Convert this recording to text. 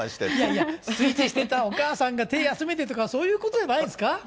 いやいや、炊事してたお母さんが手休めてとか、そういうことじゃないですか。